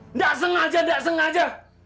enggak sengaja enggak sengaja